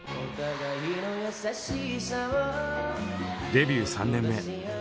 デビュー３年目。